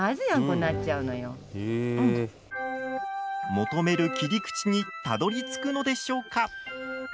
求める切り口にたどりつくのでしょうか？